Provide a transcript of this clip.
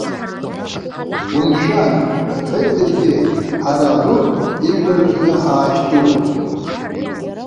Умшәан! рҳәеит даргьы, ҳара Луҭ ижәлар рзы ҳаашьҭуп.